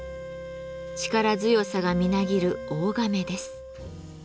力強さがみなぎる大甕です。